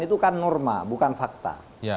itu kan norma bukan fakta